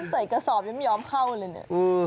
ใส่กระสอบอย่างไม่ยอมเข้าเลย